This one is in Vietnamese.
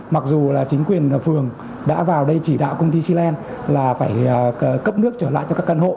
mặc dù là chính quyền phường đã vào đây chỉ đạo công ty cland là phải cấp nước trở lại cho các căn hộ